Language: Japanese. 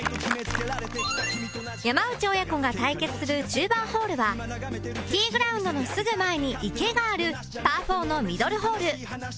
山内親子が対決する１０番ホールはティーグラウンドのすぐ前に池があるパー４のミドルホール